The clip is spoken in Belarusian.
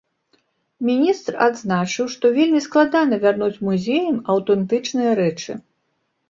Міністр адзначыў, што вельмі складана вярнуць музеям аўтэнтычныя рэчы.